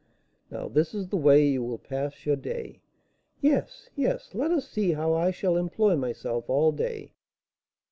"Now this is the way you will pass your day " "Yes, yes, let us see how I shall employ myself all day."